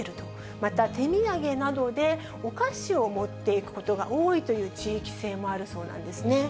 また、手土産などでお菓子を持っていくことが多いという地域性もあるそうなんですね。